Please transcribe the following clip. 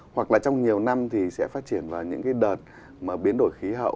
hoặc là trong nhiều năm thì sẽ phát triển vào những đợt biến đổi khí hậu